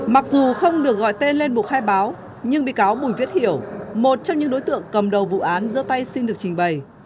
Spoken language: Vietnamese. mặc dù không được gọi tên lên buộc khai báo nhưng bị cáo bùi viết hiểu một trong những đối tượng cầm đầu vụ án dơ tay xin được trình bày